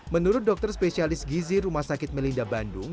menurut dokter spesialis gizi rumah sakit melinda bandung